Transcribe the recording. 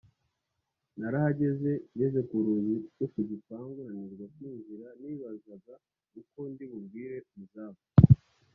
narahageze ngeze ku rugi rwo ku gipangu nanirwa kwinjira nibazaga uko ndibubwire umuzamu